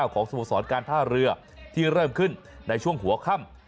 ของสโมสรการท่าเรือที่เริ่มขึ้นในช่วงหัวค่ำ